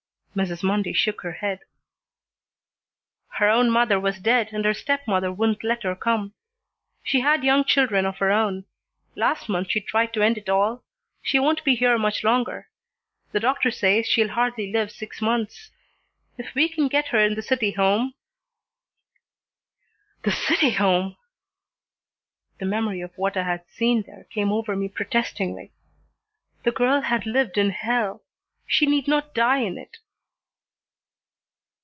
Mrs. Mundy shook her head. "Her own mother was dead and her stepmother wouldn't let her come. She had young children of her own. Last month she tried to end it all. She won't be here much longer. The doctor says she'll hardly live six months. If we can get her in the City Home " "The City Home!" The memory of what I had seen there came over me protestingly. The girl had lived in hell. She need not die in it.